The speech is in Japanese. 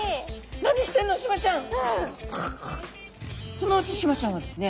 そのうちシマちゃんはですね